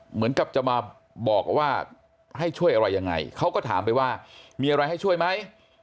เหมือนกับจะมาบอกว่าให้ช่วยอะไรยังไงเขาก็ถามไปว่ามีอะไรให้ช่วยไหม